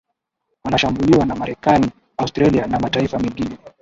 wanashambuliwa na marekani australia na mataifa mengine